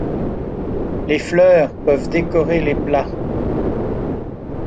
Les fleurs peuvent décorer les plats.